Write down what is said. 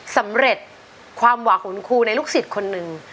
สำเร็จความหวังของคุณครูในลูกศิษย์คนหนึ่ง